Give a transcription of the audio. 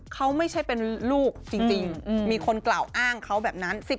เขาไม่ใช่เป็นลูกจริงมีคนกล่าวอ้างเขาแบบนั้น